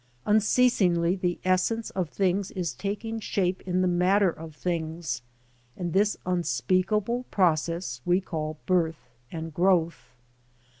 Unceasingly the essence of things is taking shape in the matter of things, and this unspeakable process we call birth and growth.